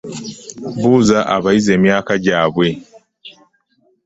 Buuza abayizi emyaka gyabwe.